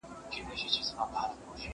دوی چي ول احمد به نه راځي